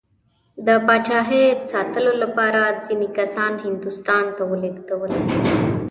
د پاچایۍ ساتلو لپاره ځینې کسان هندوستان ته ولېږدول.